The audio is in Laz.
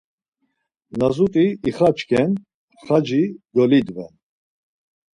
Lazut̆i ixaçken, xaci dolidven.